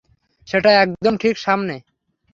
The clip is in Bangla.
সেটা একদম ঠিক সামনে।